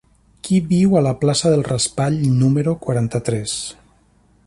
Qui viu a la plaça del Raspall número quaranta-tres?